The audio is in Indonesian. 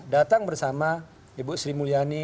datang bersama ibu sri mulyani